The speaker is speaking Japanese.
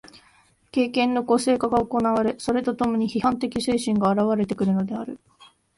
経験の個性化が行われ、それと共に批判的精神が現われてくるのである。